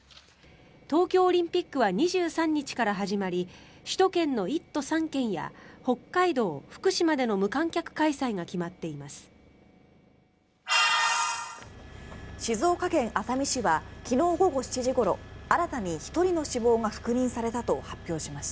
東京オリンピックは２３日から始まり首都圏の１都３県や北海道、福島での無観客開催が決まっています。